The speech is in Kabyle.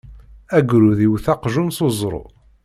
Agrud iwet aqjun s uẓru.